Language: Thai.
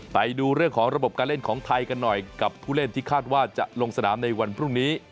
ไปดูเรื่องของระบบการเล่นของไทยกันหน่อยกับผู้เล่นที่คาดว่าจะลงสนามในวันพรุ่งนี้